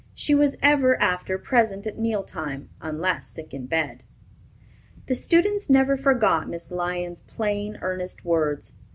She was ever after present at meal time, unless sick in bed. The students never forgot Miss Lyon's plain, earnest words.